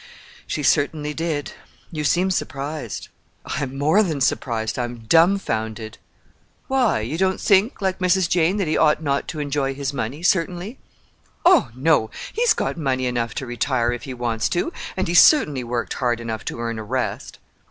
"She certainly did! You seem surprised." "I'm more than surprised. I'm dumfounded." "Why? You don't think, like Mrs. Jane, that he ought not to enjoy his money, certainly?" "Oh, no. He's got money enough to retire, if he wants to, and he's certainly worked hard enough to earn a rest."